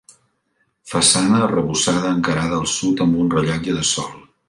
Façana arrebossada encarada al sud, amb un rellotge de sol.